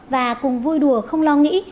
và cùng vui đùa không lo nghĩ